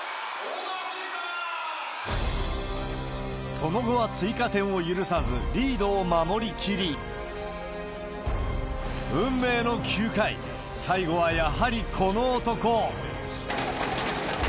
その後は追加点を許さず、リードを守りきり、運命の９回、最後はやはりこの男。